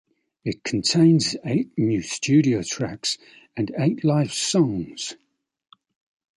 It contains eight new studio tracks, and eight live songs.